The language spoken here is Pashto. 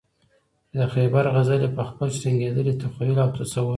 چې د خیبر غزل یې په خپل شرنګېدلي تخیل او تصور.